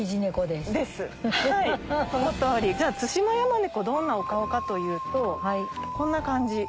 その通り。じゃあツシマヤマネコどんなお顔かというとこんな感じ。